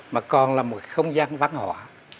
mà còn là một không gian văn hóa